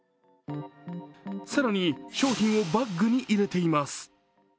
更に商品をバッグに入れています。